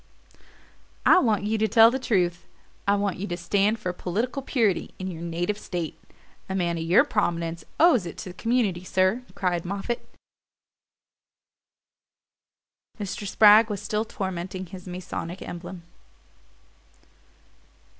"I want you to tell the truth I want you to stand for political purity in your native state. A man of your prominence owes it to the community, sir," cried Moffatt. Mr. Spragg was still tormenting his Masonic emblem.